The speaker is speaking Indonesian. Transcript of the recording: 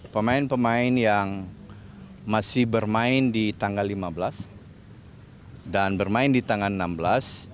pemain pemain yang masih bermain di tanggal lima belas dan bermain di tanggal enam belas